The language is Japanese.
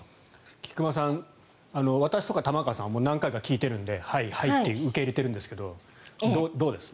菊間さん、私とか玉川さんは何回か聞いているのではいはいって受け入れてますがどうです？